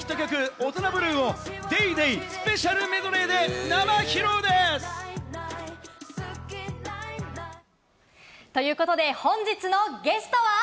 『オトナブルー』を『ＤａｙＤａｙ．』スペシャルメドレーで生披露です！ということで本日のゲストは。